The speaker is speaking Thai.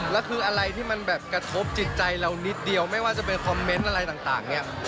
แล้วคืออะไรที่มันแบบกระทบจิตใจเรานิดเดียวไม่ว่าจะเป็นคอมเมนต์อะไรต่างเนี่ย